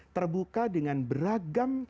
terbuka dengan beragama